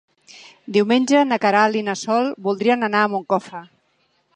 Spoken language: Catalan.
Diumenge na Queralt i na Sol voldrien anar a Moncofa.